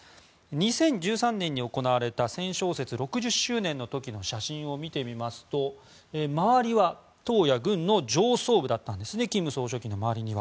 ２０１３年に行われた戦勝節６０周年の時の写真を見てみますと周りは党や軍の上層部だったんですね金総書記の周りには。